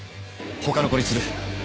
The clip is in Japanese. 他の子にする。